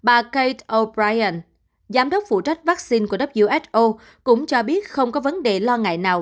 bà kt o brien giám đốc phụ trách vaccine của who cũng cho biết không có vấn đề lo ngại nào